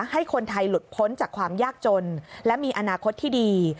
ให้คนไทยหลุดพ้นจากความยากจนและมีอนาคตที่ดี